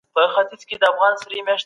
کارپوهان به ټولو ته برابر حقونه ورکوي.